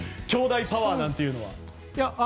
きょうだいパワーなんていうのは。